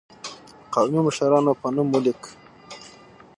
قومي مشرانو په نوم ولیک.